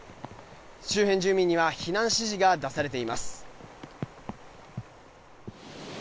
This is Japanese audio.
周辺住民には避難指示が出されています。